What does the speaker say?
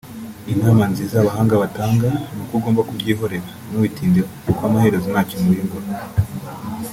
Inama nziza abahanga batanga ni uko ugomba kubyihorera ntubitindeho kuko amaherezo nta kintu wiyungura